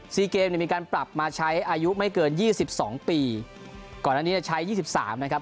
เกมเนี่ยมีการปรับมาใช้อายุไม่เกินยี่สิบสองปีก่อนอันนี้จะใช้ยี่สิบสามนะครับ